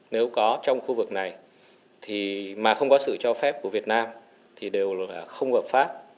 nếu có trong khu vực này thì mà không có sự cho phép của việt nam thì đều là không hợp pháp